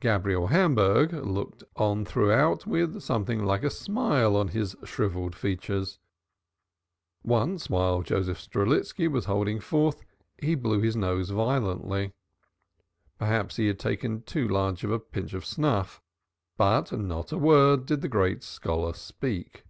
Gabriel Hamburg looked on throughout with something like a smile on his shrivelled features. Once while Joseph Strelitski was holding forth he blew his nose violently. Perhaps he had taken too large a pinch of snuff. But not a word did the great scholar speak.